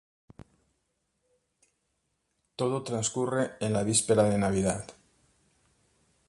Todo transcurre en la víspera de Navidad.